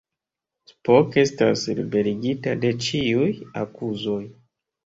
Spock estas liberigita de ĉiuj akuzoj.